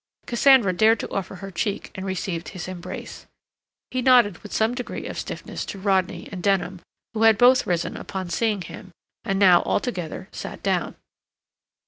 Cassandra dared to offer her cheek and received his embrace. He nodded with some degree of stiffness to Rodney and Denham, who had both risen upon seeing him, and now altogether sat down.